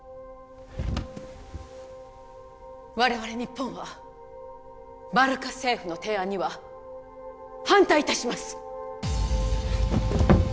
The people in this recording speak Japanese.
我々日本はバルカ政府の提案には反対いたします